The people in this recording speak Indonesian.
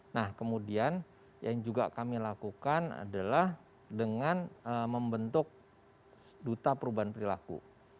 nah kemudian yang juga kami lakukan adalah dengan membentuk duta perubahan perilaku